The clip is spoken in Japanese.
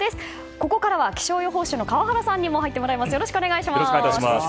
ここからは気象予報士の川原さんにも入ってもらいます。